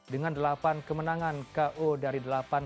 dengan delapan kemenangan ko dari delapan